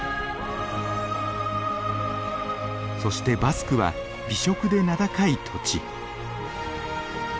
そしてバスクは美食で名高い土地。